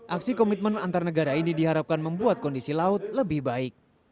aksi komitmen antar negara ini diharapkan membuat kondisi laut lebih baik